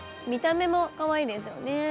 見た目もかわいいですよね。